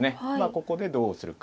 ここでどうするか。